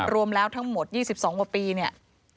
รวมแล้วทั้งหมด๒๒กว่าปีเนี่ย